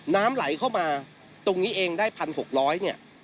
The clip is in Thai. น้ำไหลเข้ามาตรงนี้เองได้๑๖๐๐เนี่ย